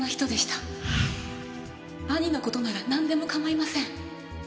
兄の事ならなんでも構いません。